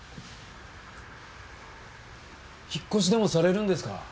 引っ越しでもされるんですか？